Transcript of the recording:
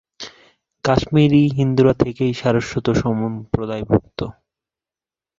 কাশ্মীরি হিন্দুরা থেকেই সারস্বত সম্প্রদায়ভুক্ত।